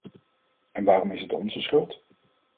En waarom is het onze schuld?